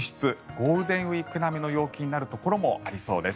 ゴールデンウィーク並みの陽気になるところもありそうです。